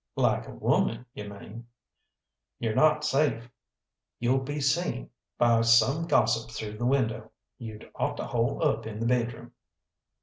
"Like a woman, you mean." "You're not safe you'll be seen by some gossip through the window. You'd ought to hole up in the bedroom."